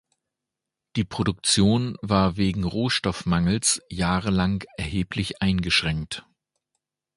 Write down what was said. Die Produktion war wegen Rohstoffmangels jahrelang erheblich eingeschränkt.